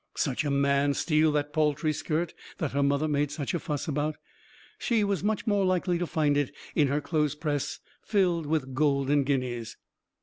Such a man steal that paltry skirt that her mother made such a fuss about! She was much more likely to find it in her clothes press filled with golden guineas.